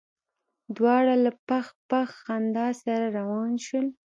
دواړه له پخ پخ خندا سره روان شول.